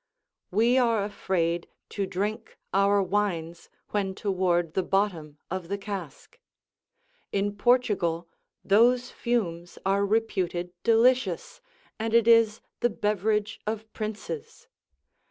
We are afraid to drink our wines, when toward the bottom of the cask; in Portugal those fumes are reputed delicious, and it is the beverage of princes.